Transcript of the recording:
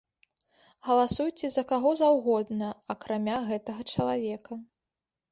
Галасуйце за каго заўгодна акрамя гэтага чалавека.